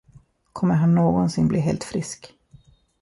Kommer han någonsin bli helt frisk?